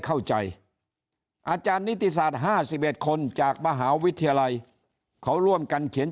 อาจารย์นิติศาสตร์๕๑คนจากมหาวิทยาลัยเขาร่วมกันเขียน